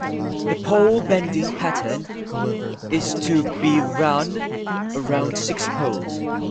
The pole bending pattern is to be run around six poles.